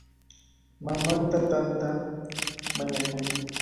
Mamanta tantata mañakun.